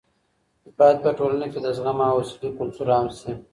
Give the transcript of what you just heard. باید په ټولنه کې د زغم او حوصلې کلتور عام سي.